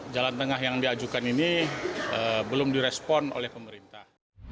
jalan tengah yang diajukan ini belum direspon oleh pemerintah